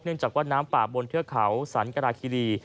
เนื่องจากว่าน้ำปากบนเทือเขาสันกราคิรี